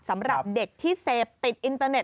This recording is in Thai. สำหรับเด็กที่เสพติดอินเตอร์เน็